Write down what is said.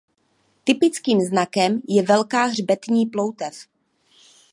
Typickým znakem je velká hřbetní ploutev.